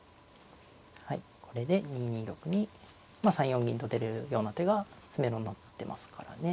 はいこれで２二玉にまあ３四銀と出るような手が詰めろになってますからね。